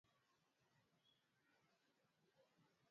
Siku ya kesho nitaenda kukanisa